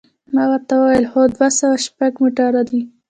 ما ورته وویل: هو، دوه سوه شپږ موټر دی.